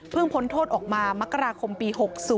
พ้นโทษออกมามกราคมปี๖๐